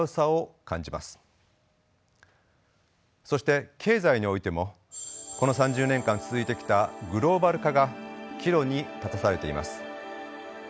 そして経済においてもこの３０年間続いてきたグローバル化が岐路に立たされています。